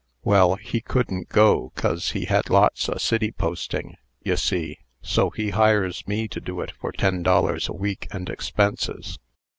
Well, he couldn't go, cos he had lots o' city posting, ye see; so he hires me to do it for ten dollars a week and expenses.